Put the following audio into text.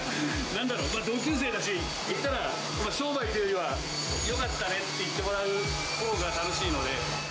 なんだろう、同級生だし、できたら、商売っていうよりは、よかったねって言ってもらうほうし